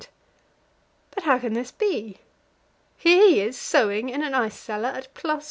But how can this be? Here he is, sewing in an ice cellar at +50°.